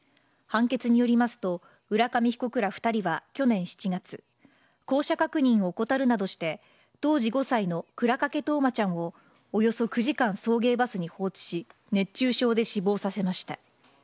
判決によりますと、浦上被告ら２人は去年７月、降車確認を怠るなどして、当時５歳の倉掛冬生ちゃんをおよそ９時間、送迎バスに放置し、熱中症で死亡させました。